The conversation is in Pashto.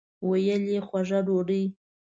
ویل یې خوږه ډوډۍ.